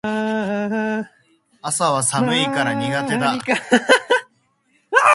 朝は眠いから苦手だ